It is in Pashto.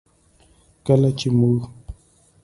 کله چې موږ